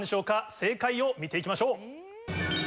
正解を見て行きましょう。